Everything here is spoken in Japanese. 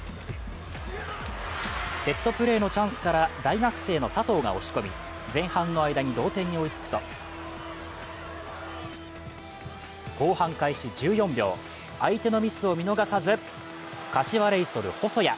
セットプレーのチャンスから大学生の佐藤が押し込み前半の間に同点に追いつくと、後半開始１４秒、相手のミスを見逃さず柏レイソル・細谷。